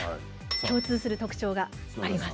共通する特徴があります。